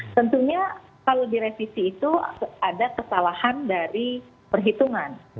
tentunya kalau direvisi itu ada kesalahan dari perhitungan